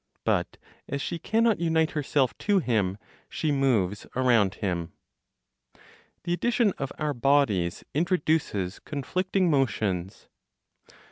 But, as she cannot unite herself to Him, she moves around Him. THE ADDITION OF OUR BODIES INTRODUCES CONFLICTING MOTIONS.